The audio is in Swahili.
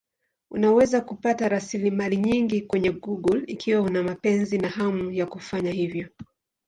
Unaweza kupata rasilimali nyingi kwenye Google ikiwa una mapenzi na hamu ya kufanya hivyo.